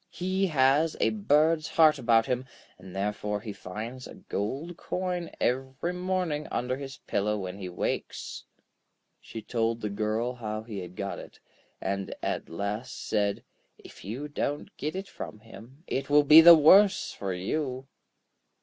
He has a bird's heart about him, and therefore he finds a gold coin every morning under his pillow when he wakes.' She told the girl how he had got it, and at last said: 'If you don't get it from him, it will be the worse for you.'